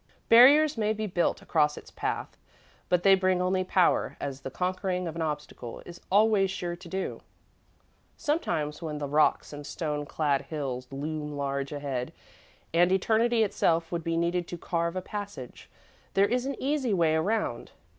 Barriers may be built across its path, but they bring only power, as the conquering of an obstacle is always sure to do. Sometimes when the rocks and stone clad hills loom large ahead, and eternity itself would be needed to carve a passage, there is an easy way around.